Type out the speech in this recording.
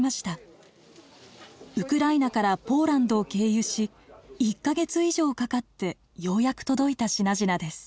ウクライナからポーランドを経由し１か月以上かかってようやく届いた品々です。